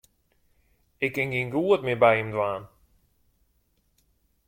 Ik kin gjin goed mear by him dwaan.